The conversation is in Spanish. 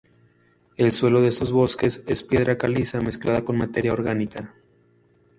El suelo de estos bosques es piedra caliza mezclada con materia orgánica.